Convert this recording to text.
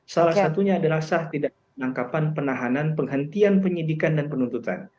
salah satunya adalah sah tidak penangkapan penahanan penghentian penyidikan dan penuntutan